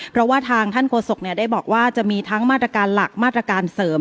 เพราะว่าทางท่านโฆษกได้บอกว่าจะมีทั้งมาตรการหลักมาตรการเสริม